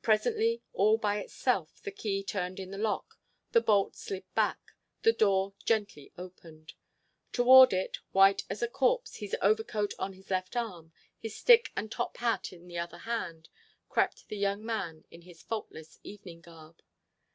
Presently, all by itself, the key turned in the lock, the bolt slid back, the door gently opened. Toward it, white as a corpse, his overcoat on his left arm, his stick and top hat in the other hand, crept the young man in his faultless evening garb.